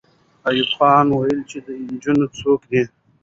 ایوب خان وویل چې دا نجلۍ څوک ده.